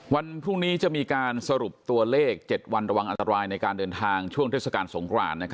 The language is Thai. วันพรุ่งนี้จะมีการสรุปตัวเลข๗วันระวังอันตรายในการเดินทางช่วงเทศกาลสงคราน